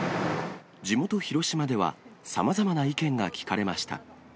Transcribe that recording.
地元、広島では、さまざまな意見が聞かれました。